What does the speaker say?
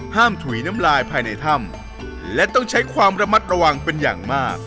ถุยน้ำลายภายในถ้ำและต้องใช้ความระมัดระวังเป็นอย่างมาก